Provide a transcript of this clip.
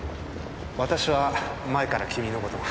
私は前から君のことが。